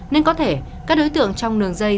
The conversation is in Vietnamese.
nên có thể các đối tượng trong nường dây